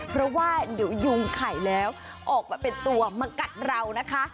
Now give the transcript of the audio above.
เพราะว่าเดี๋ยวยุงไข่แล้วออกมาเป็นตัวมากัดเรานะคะ